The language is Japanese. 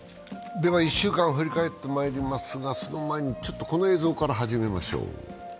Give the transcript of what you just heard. では１週間を振り返ってまいりますが、その前にこの映像から始めましょう。